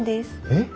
えっ？